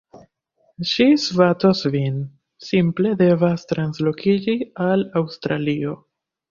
Ŝi svatos vin. Simple devas translokiĝi al Aŭstralio